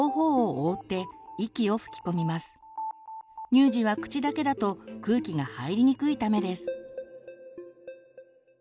乳児は口だけだと空気が入りにくいためです。